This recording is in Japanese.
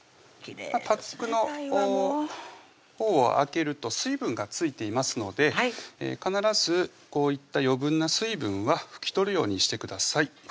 パックのほうを開けると水分が付いていますので必ずこういった余分な水分は拭き取るようにしてください